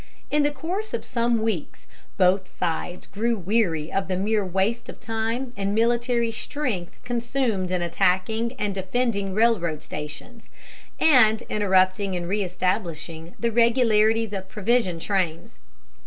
In the course of some weeks both sides grew weary of the mere waste of time and military strength consumed in attacking and defending railroad stations, and interrupting and reëstablishing the regularities of provision trains.